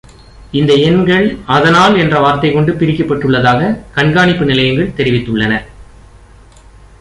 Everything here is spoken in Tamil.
இந்த எண்கள் “அதனால்” என்ற வார்த்தை கொண்டு பிரிக்கப்பட்டுள்ளதாக கண்காணிப்பு நிலையங்கள் தெரிவித்துளளன.